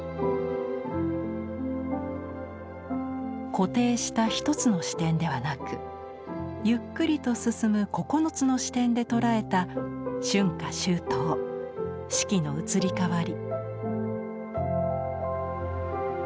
固定した１つの視点ではなくゆっくりと進む９つの視点で捉えた春夏秋冬四季の移り変わり。